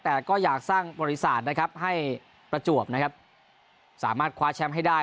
แต่ก็อยากสร้างบริษัทให้บรรจวบสามารถคว้าแชมป์ให้ได้